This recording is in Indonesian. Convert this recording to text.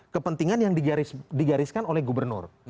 kepentingan yang digariskan oleh gubernur